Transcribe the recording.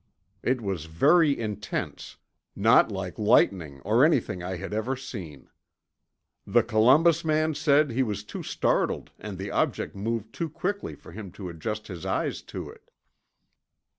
It was very intense, not like lightning or anything I had ever seen.' "The Columbus man said he was too startled and the object moved too quickly for him to adjust his eyes to it."